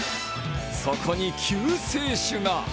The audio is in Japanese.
そこに救世主が。